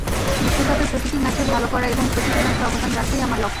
বিশ্বকাপের প্রতিটি ম্যাচে ভালো করা এবং প্রতিটি ম্যাচে অবদান রাখাই আমার লক্ষ্য।